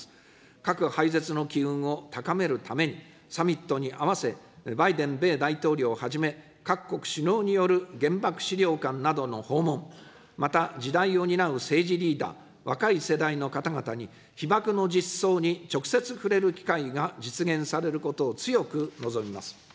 核廃絶の機運を高めるために、サミットに合わせ、バイデン米大統領はじめ、各国首脳による原爆資料館などの訪問、また次代を担う政治リーダー、若い世代の方々に、被爆の実相に直接触れる機会が実現されることを強く望みます。